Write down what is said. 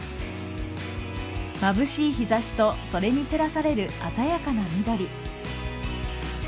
眩しい日差しとそれに照らされる鮮やかな緑。